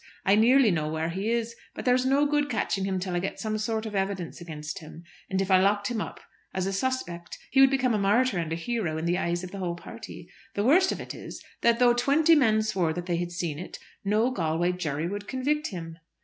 I nearly know where he is; but there is no good catching him till I get some sort of evidence against him, and if I locked him up as a 'suspect,' he would become a martyr and a hero in the eyes of the whole party. The worst of it is that though twenty men swore that they had seen it, no Galway jury would convict him."